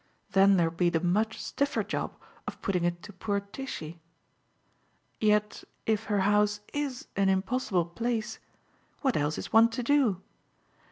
Then there'll be the much stiffer job of putting it to poor Tishy. Yet if her house IS an impossible place what else is one to do?